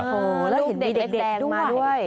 โอ้โหแล้วเห็นเด็กแดงมาด้วย